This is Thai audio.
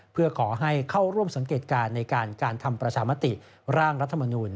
เพื่อขอให้เข้าร่วมสังเกตการณ์ในการทำประชามติร่างรัฐมนูล